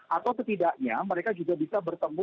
atau setidaknya mereka juga bisa bertemu